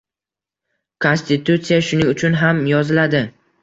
Konstitutsiya shuning uchun ham yoziladi: